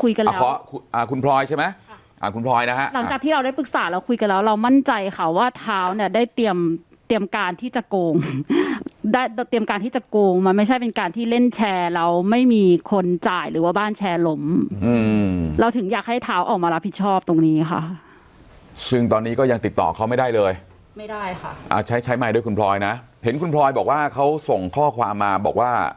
คุณพลอยใช่ไหมค่ะคุณพลอยนะคะหลังจากที่เราได้ปรึกษาเราคุยกันแล้วเรามั่นใจค่ะว่าท้าวเนี้ยได้เตรียมการที่จะโกงได้เตรียมการที่จะโกงมันไม่ใช่เป็นการที่เล่นแชร์แล้วไม่มีคนจ่ายหรือว่าบ้านแชร์หลมอืมเราถึงอยากให้ท้าวออกมารับผิดชอบตรงนี้ค่ะซึ่งตอนนี้ก็ยังติดต่อเขาไม่ได้เลยไม่ได้ค่ะอ่าใช